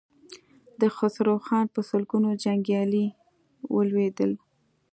د خسرو خان په سلګونو جنګيالي ولوېدل.